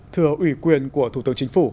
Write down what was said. thưa ủy quyền của thủ tướng chính phủ